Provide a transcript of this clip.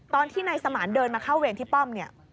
ตอนที่นายสมานเดินมาเข้าเวรที่ป้อมเนี่ย